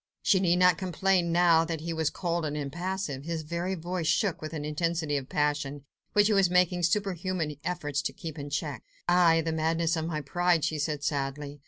She need not complain now that he was cold and impassive; his very voice shook with an intensity of passion, which he was making superhuman efforts to keep in check. "Aye! the madness of my pride!" she said sadly.